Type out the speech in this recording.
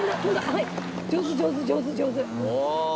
上手上手上手上手。